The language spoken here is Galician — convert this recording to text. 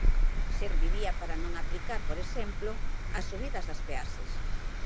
Serviría para non aplicar, por exemplo, as subidas das peaxes.